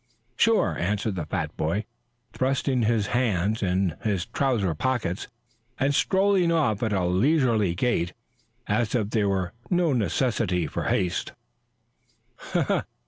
"Sure," answered the fat boy, thrusting his hands in his trousers pockets and strolling off at a leisurely gait as if there were no necessity for haste.